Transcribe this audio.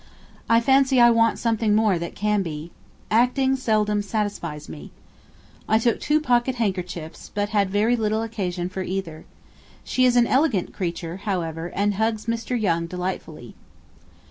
I fancy I want something more than can be. Acting seldom satisfies me. I took two pockethandkerchiefs, but had very little occasion for either. She is an elegant creature, however, and hugs Mr. Young delightfully.'